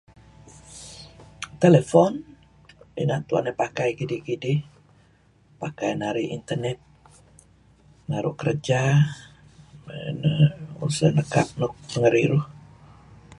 Telephone inan tuen narih pakai kidih-kidih. Pakai narih internet, naru' kerja uhm am tuseh nekap nuk pengeriruh.